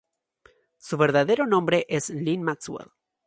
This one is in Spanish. Su verdadero nombre es Lynn Maxwell.